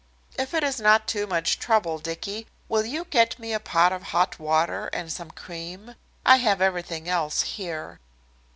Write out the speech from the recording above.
If it is not too much trouble, Dicky, will you get me a pot of hot water and some cream? I have everything else here."